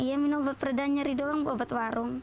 iya minum obat perda nyeri doang obat warung